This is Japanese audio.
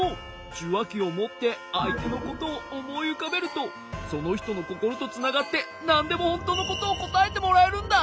じゅわきをもってあいてのことをおもいうかべるとそのひとのココロとつながってなんでもほんとうのことをこたえてもらえるんだ！